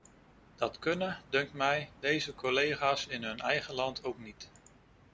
Dat kunnen, dunkt mij, deze collega's in hun eigen land ook niet.